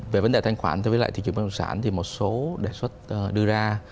về vấn đề thanh khoản với lại thị trường bán đồng sản một số đề xuất đưa ra